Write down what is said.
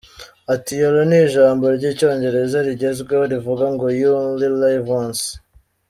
Ati “ Yolo ni ijambo ry’icyongereza rigezweho rivuga ngo You Only Live Once.